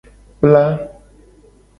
Kpla.